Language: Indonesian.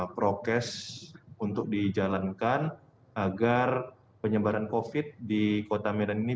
prokes untuk dijalankan agar penyebaran covid di kota medan ini